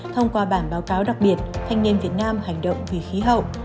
thông qua bản báo cáo đặc biệt thanh niên việt nam hành động vì khí hậu